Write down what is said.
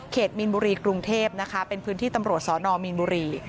มีนบุรีกรุงเทพนะคะเป็นพื้นที่ตำรวจสนมีนบุรี